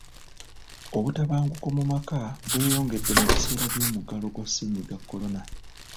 Obutabanguko mu maka bweyongedde mu biseera by'omuggalo gwa ssenyiga kolona.